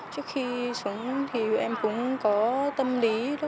trước khi xuống thì em cũng có tâm lý